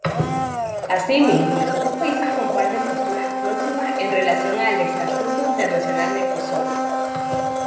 Asimismo, los dos países comparten posturas próximas en relación al estatuto internacional de Kosovo.